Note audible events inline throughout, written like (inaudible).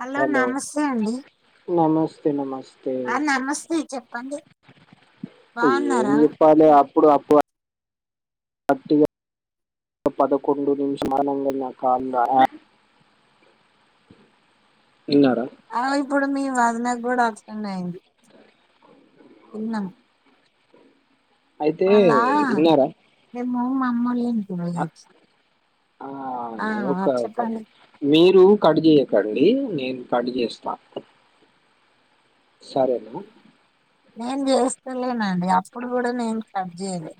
Hello నమస్తే అండి నమస్తే నమస్తే ఆ నమస్తే చెప్పండి ఏమి బాగున్నారా చెప్పాలే ఇప్పుడు అప్పుడు (unintelligible) ఇన్నార ఆ ఇప్పుడు మీ వదినకు కూడా అర్థం అయింది. తిన్నాం అయితే అలా విన్నారా మేము మామ్మోల్లింటికి పోయి వచ్చినాం ఆ ఓకే మీ మీరు కట్ చేయకండి నేను కట్ చేస్తా సరేనా నేను చేస్తలేనండి. అప్పుడు కూడా నేను కట్ చేయలే.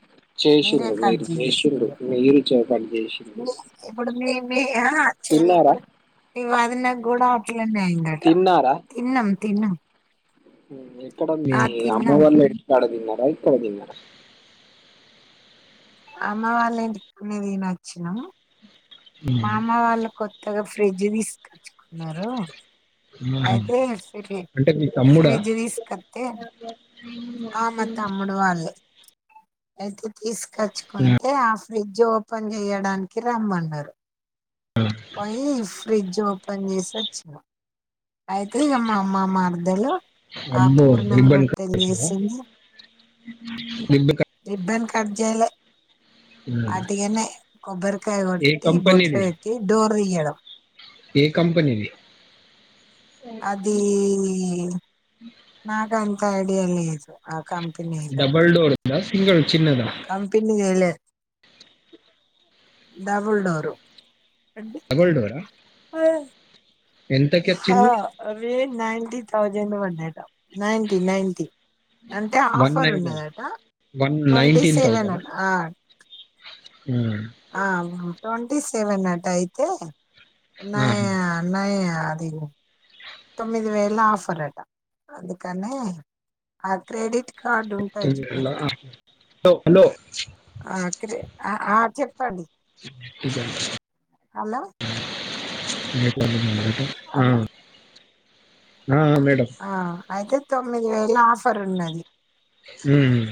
మీరే చేసిండు కట్ మీరు చేసిండు చేసారు. మీరు చే కట్ చేసిండు ఇప్పుడు మీ మీ యా చెల్లి తిన్నారా కొడుకు మీ వదిన కూడా అట్లనే అయిందట. తిన్నారా తిన్నాం. తిన్నా. ఎక్కడ మీ అమ్మ వాళ్ళ ఇంటి కాడ తిన్నారా? ఇక్కడ తిన్నారా? అమ్మ వాళ్ళ ఇంటికాన్నే తినివచ్చినాం. మా అమ్మ వాళ్ళు కొత్తగా ఫ్రిడ్జ్ తీసుకొచ్చుకున్నారు. ఆహా. అయితే అంటే మీ తమ్ముడా ఫ్రిజ్ తీసుకొత్తే ఆ మా తమ్ముడు వాళ్ళే. అయితే తీసుకొచ్చుకుంటే ఆ ఫ్రిడ్జ్ ఓపెన్ చేయడానికి రమ్మన్నారు. పోయి ఫ్రిడ్జ్ ఓపెన్ చేసొచ్చ. ఆయితే మా అమ్మ మరదలు ఆ అబ్బో పూర్ణం రిబ్బన్ కట్ రొట్టెలు చేసినావా? జేసింది రిబ్బన్ కట్ రిబ్బన్ కట్చేయలే ఆ, అట్టిగానే కొబ్బరికాయ ఏ కొట్టి బొట్లు కంపెనీది పెట్టి డోరుతీయడం ఏ కంపెనీది అది నాకు అంత అడియా లేదు. కంపెనీయి డబల్ కంపనీ డోర్ దా సింగిల్ చిన్నదా కంపెనీ గలే డబుల్ డోరు అవి డబల్ డోరా ఎంతకి హ వచ్చింది నైన్టీ థౌజండ్ పడ్డాయంట నైన్టీ నైన్టీ అంటే వన్ ఆఫర్ నైన్ ఉన్నదట. One twenty nineteen seven thousand ట ఆర్ ఆ ట్వంటీ సెవెన్ అట అయితే నయ నయ అ (unintelligible) తొమ్మిది వేల ఆఫర్ అట. అందుకనే ఆ క్రెడిట్ కార్డు ఉంటాయి చూడు హలో, హలో! ఆ క్రె ఆ చెప్పండి ఇకా (unintelligible) హలో! అట (unintelligible) హలో మ్ ఆ అయితే తొమ్మిది వేల ఆఫర్ ఉన్నది.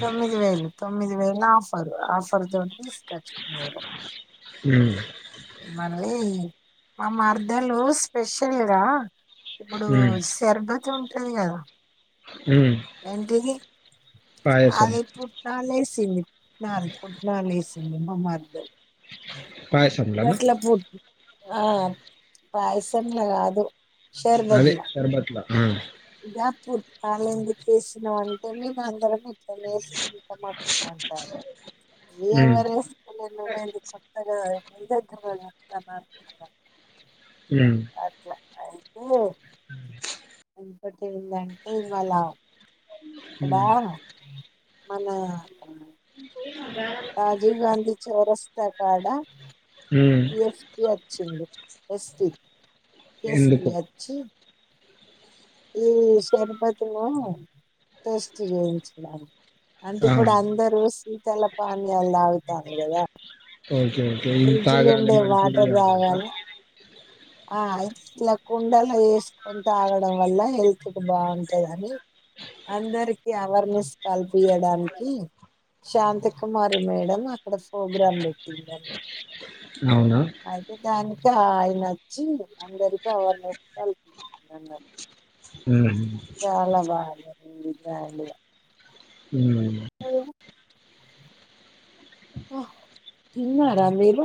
తొమ్మిది వేలు తొమ్మిది వేలు. ఆఫర్ ఆఫర్ తోటి తీసుకచ్చుకున్నారు. మ్ మళ్ళీ, మా మరదెలు స్పెషల్ గా ఇప్పుడు షర్బత్ ఉంటది కదా ఎంటిది? పాయసం అది పుట్నాలేస్ వేసింది నాలుగు పట్నాలు వేసింది మా మరదలు. పాయసంలోనా గట్ల పూ ఆ పాయసం లో కాదు అదే షర్బత్ లో ఉ ఇ జాక్ ఫ్రూట్ దాంట్లో ఎదుకు యేసినావ్ అంటే నే మా అందరికీ ఇష్టం మేము అందరం ఇట్లానేేసుకుంటా మక్కా అంటాంది. ఉమ్, ఎవరు యేసుకోంది నువ్వేంది కొత్తగా ఎతా (unintelligible) మ్ అయితే ఎకటి ఉందంటే ఇవాళ అక్కడ ఉమ్, మన రాజీవ్ గాంధీ చౌరస్తా కాడ ఉమ్. డిఎస్పి వచ్చిండు ఎస్స్తీఎస్పీ ఎందుకు అచ్చి ఈ షర్బతును టేస్ట్ చేయించడాని అంటే ఆ, ఇప్పుడు అందరూ శీతల పానీయాలు తలాగుతాను కదా ఓకే ఓకే ఇది ఫ్రిడ్జ్ లో తాగాలి ఉండే మంచిది వాటర్ అనమాట తాగాలి ఆ ఇట్లా కుండలు వేసుకొని తాగడం వల్ల హెల్త్ కు బాగుంటద అని అందరికి అవేర్నెస్ కల్పియడానికి శాంతికుమారి మేడం అక్కడ ప్రోగ్రాం పెట్టిందన్న అవునా అయితే కాని ఇకా ఆయన వచ్చి అందరికి అవర్నెస్ కల్పించింది అన్నట్ (unintelligible) హ్మ్. (unintelligible) ఆహా తిన్నారా మీరు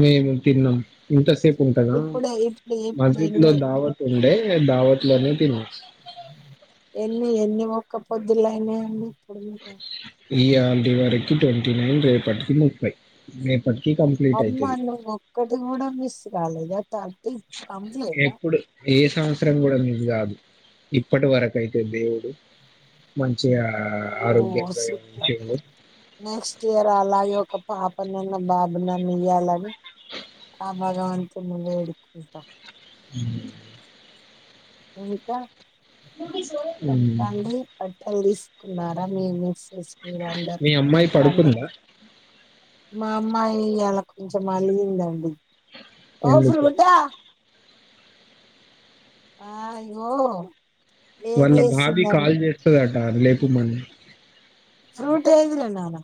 మేము తిన్నాం ఇంతసేపు ఉంటదా ఇప్పుడే ఇప్పుడు ఇప్పుడు మస్జిద్ లో ఎన్ని దావత్ ఉండే దావత్ లోనె తినొచ్చా ఎన్ని ఎన్ని మొక్క పొద్దులయినాయండి ఇప్పుడు మీకు ఇయ్యాల్టీ వరకు ట్వంటీ నైన్ రేపటికి ముప్పై అమ్మా నువ్ ఒక్కటి కూడా మిస్ కాలేదా థర్టీ కంప్లీటా ఎప్పుడు ఏ సంవత్సరం కూడా మీస్ కాదు ఇప్పటి వరక అయితే దేవుడు మంచి ఓ నెక్స్ట్ ఇయర్ అలాగే ఒక పాప నాన్న బాబు నా ఇయ్యాలని ఆ భగవంతుని వేడుకుంటాం మ్ ఇంకా మీ హ్మ్. తండ్రి ఎం తీసుకున్నారా మేము మీ అమ్మాయి పడుకుందా మా అమ్మాయి అలా కొంచెం అలిగిందండి ఓ ఎందుకో ఫ్రూట ఆ ఇగో ఏం వాళ్ళ బాబీ చేసిందండి కాల్ చేస్తుదట లేపు మన్న ఫ్రూట్ ఏది రా నాన్న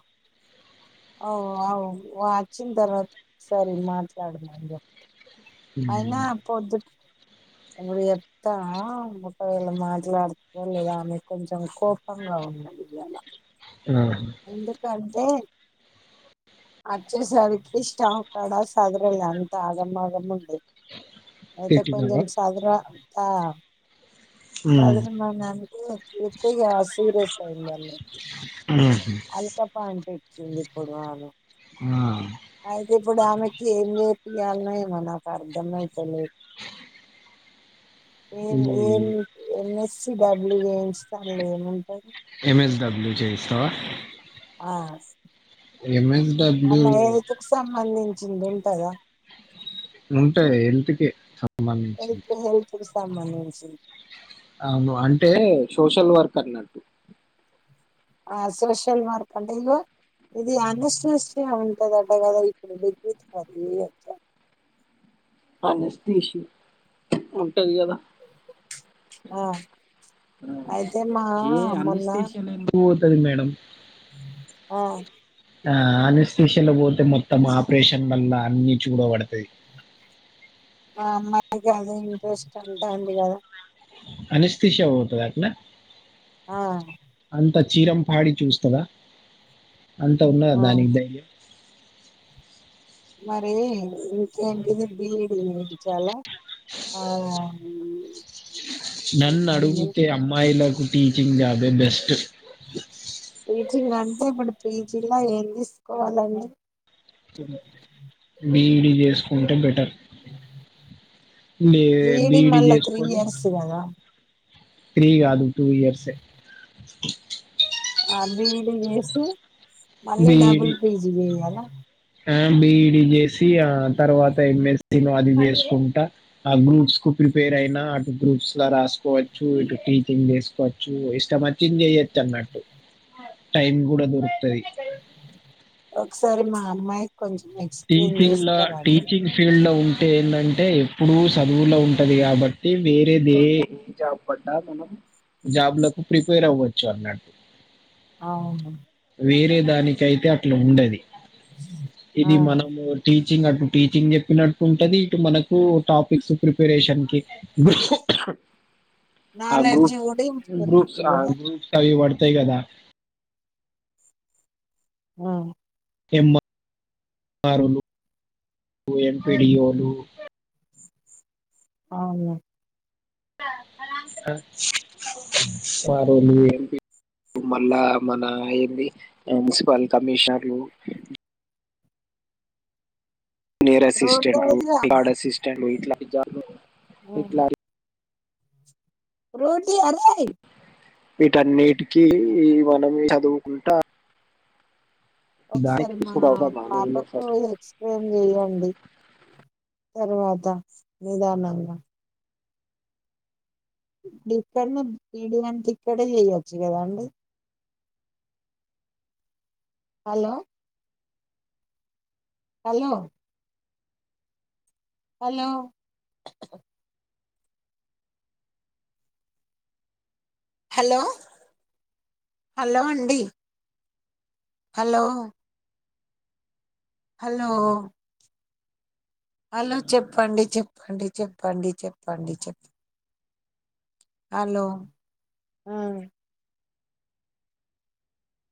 అఓ అవు వచ్చిన తర్వాత ఒకసారి మాట్లాడుమని చెప్త అయినా హ్మ్. పొద్దు ఇప్పుడు చెప్తా ఒకవేళ మాట్లాడుత లేదా అని కొంచెం కోపంగా ఉన్నది ఇవాలా ఆహా! ఎందుకంటే వచ్చేసరికి స్టావ్ కాడా సాదరలె అంత ఆగంమాగం ఉంది అయితే తిట్టినవా? కొంచం సదురా తా హ్మ్. సదనమనికి తతే ఆ సీరియస్యిద ఆహా! అలకపా అంటచ్చింది ఇప్పుొడు వాను ఆ ఇప్పుడు ఆమెకి ఏం నేర్పియాలనో ఏమో నాకు అర్ధమైతేలేదు ఏం ఈ ఏం ఎంఎస్స డబ్ల్యూ ఏయించలే ఏమంటారు ఎంఎస్డబ్ల్యూ చేయిస్తావా ఆ ఎంఎస్డబ్ల్యూ అల హళ్తుకి సంబంధించ చింది ఉంటాదా ఉంటా ఎల్ంటికి హెల్త్ హెల్త్ కు సంబంధించింది అవును అంటే సోషల్ వర్క్ అన్నట్టు ఆ సోషల్ మార్కెటింగ్ లో ఇది అనస్థిషియా ఉంటాదంట కదా ఇప్పుడు డిగ్రీ తర్వాత చేయొచ్చా అనస్థిషియా ఉంటాది కదా ఆ అయితే మా ఏ మొన్న అనస్థిషియా లో ఎందు టది మేడం ఆ ఆ అనస్థిషియాల పోతే మొత్తం ఆపరేషన్ మల్లా అన్ని చూపబడతాది మా అమ్మాయికి అదే ఇంట్రెస్ట్ అంటాంది కదా అనస్థిషియా పోతాదట్న ఆ త్త చీరం పాడి చూస్తుందా అంత ఉన్నదా ఆ దానికి ధైర్యం మరి ఇంకేంటిది బిఈడి చేయలా ఆ మ్మ్ నన్ను అడుగుతే అమ్మాయిలకు టీచింగ్ జాబ్బే బెస్ట్ టీచింగ్ అంటే ఇప్పుడు పీజీలా ఏం తీసుకోవాలండి బీఈడి చేసుకుంటే బెటర్ లే బీఈడి మళ్ళా త్రీ చేసుకొని ఇయర్స్ కదా త్రీ కాదు టూ ఇయర్సే ఆ బీఈడీ చేసి మళ్ళీ బీఈడి డబుల్ పీజీ చేయాలా ఆ బిఈడి చేసి ఆ తర్వాత ఎంఎస్సి నో అది చేసుకుంటా ఆ గ్రూప్స్ కు ప్రిపేర్ అయినా అటు గ్రూప్స్ లా రాసుకోవచ్చు ఇటు టీచింగ్ చేసుకోవచ్చు ఇష్టం వచ్చింది చేయొచ్చ అన్నటు టైమ్ కూడా దొరుకుతది సరే మా అమ్మాయి టీచింగ్ లా టీచింగ్ ఫీల్డ్ లో ఉంటే ఏందంటే ఎప్పుడు సదువులో ఉంటది కాబట్టి వేరేది ఏ జాబ్ పడ్డా మనం జాబ్లకు ప్రిపేర్ అవ్వచ్చు అన్నట్టు అవునా వేరే దానికైతే అట్లా ఉండది హ ఇది మనము టీ చింగ్ అటు టీచింగ్ చెప్పినట్టు ఉంటది ఇటు మనకు టాపిక్స్ ప్రిపరేషన్ కి ఆ నాలెడ్జ్ గ్రూప్స్ కూడా ఇంప్రూవ్ గ్రూప్స్ అయితది ఆ కదా గ్రూప్స్ అయి పడు తాయి కదా ఆ యంఆ (inaudible) ఆర్వోలు (inaudible) ఎంపీడీవో లు అవునా ఆర్వోలు ఎంపీ మళ్ళా మన ఏంది మున్సిపల్ కమిషనర్లు నేయర్ రోడ్ అసిస్టెంట్లు వైజ్ గర్డ్ అసిస్టెంట్లు ఇట్లాంటి జాబ్‌లో మ్మ్ రోటీ అరేయ్ వీటన్నిటికీ మనం చదువుకుంటా ఒకసారి దానికి మా కూడా అవసరమా పాపకు ఫస్ట్ ఎక్స్‌ప్లేయిన్ చెయ్యండి తర్వాత నిదానంగా డి ఫార్మింగ్ బిఈడి అంతా ఇక్కడే చేయొచ్చు కదండీ hello hello hello hello hello అండి హలో హలో హలో చెప్పండి చెప్పండి చెప్పండి చెప్పండి చెప్ హలో ఉహ్